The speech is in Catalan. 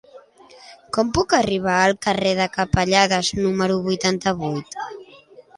Com puc arribar al carrer de Capellades número vuitanta-vuit?